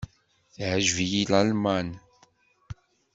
Teɛǧeb-iyi Lalman.